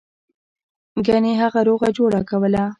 ګنې هغه روغه جوړه کوله.